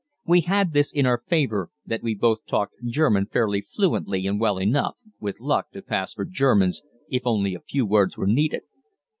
We had this in our favor, that we both talked German fairly fluently and well enough, with luck, to pass for Germans if only a few words were needed.